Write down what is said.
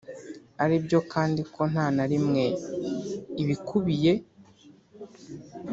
Ari byo kandi ko nta na rimwe ibikubiye